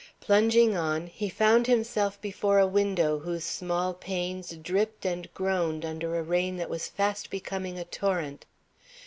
Plunging on, he found himself before a window whose small panes dripped and groaned under a rain that was fast becoming a torrent.